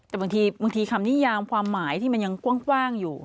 แต่บางทีคำนิยามความหมายที่มันยังกว้างอยู่